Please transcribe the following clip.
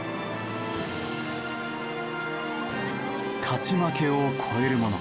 勝ち負けを超えるもの